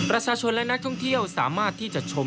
ประชาชนและนักท่องเที่ยวสามารถที่จะชม